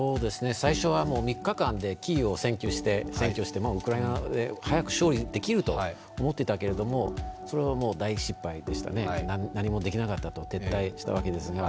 最初は３日間でキーウを占拠してウクライナに早く勝利できると思ったけれどもそれはもう大失敗でしたね、何もできなかったと、撤退したわけですが。